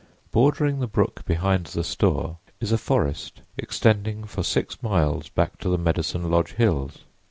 Bordering the brook behind the store is a forest extending for six miles back to the Medicine Lodge Hills.